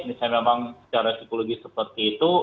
ini saya memang secara psikologis seperti itu